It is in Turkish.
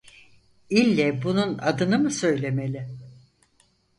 İlle bunun adını mı söylemeli?